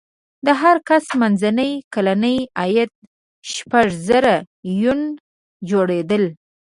د هر کس منځنی کلنی عاید شپږ زره یوان جوړېدل.